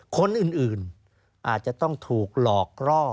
คนอื่นอาจจะต้องถูกหลอกล่อ